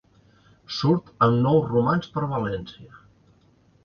Surt amb nou romans per València.